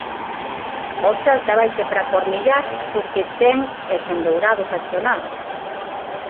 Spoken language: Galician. O Celta vaise para Cornellá co que ten e sen Dourado sancionado.